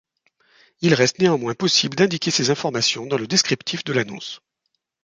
Il reste néanmoins possible d'indiquer ces informations dans le descriptif de l'annonce.